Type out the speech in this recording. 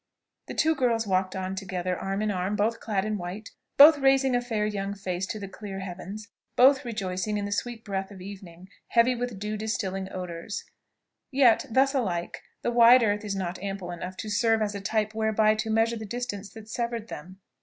The two girls walked on together arm in arm, both clad in white, both raising a fair young face to the clear heavens, both rejoicing in the sweet breath of evening, heavy with dew distilling odours. Yet, thus alike, the wide earth is not ample enough to serve as a type whereby to measure the distance that severed them.